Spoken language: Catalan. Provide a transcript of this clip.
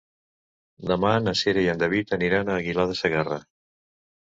Demà na Cira i en David aniran a Aguilar de Segarra.